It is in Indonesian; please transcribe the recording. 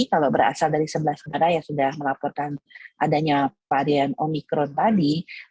kalau berasal dari sebelas negara yang sudah melaporkan adanya varian omikron tadi